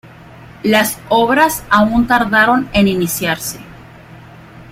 Las obras aún tardaron en iniciarse.